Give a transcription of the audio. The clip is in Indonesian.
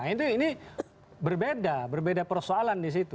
nah ini berbeda berbeda persoalan di situ